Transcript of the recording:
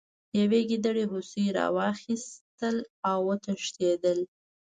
یوې ګیدړې هوسۍ راواخیسته او وتښتیده.